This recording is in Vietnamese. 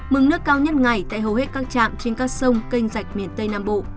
mừng nước cao nhất ngày tại hầu hết các trạm trên các sông kênh dạch miền tây nam bộ